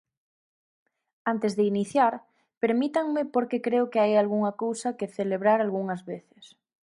Antes de iniciar, permítanme porque creo que hai algunha cousa que celebrar algunhas veces.